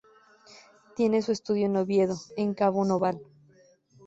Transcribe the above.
Tiene su estudio en Oviedo, en Cabo Noval.